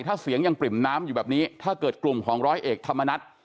ถ้าเสียงยังปริ่มน้ำอยู่แบบนี้ถ้าเกิดกลุ่มของร้อยเอกธรรมนัฐ